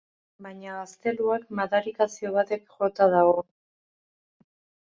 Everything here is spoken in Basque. Baina gazteluak madarikazio batek jota dago.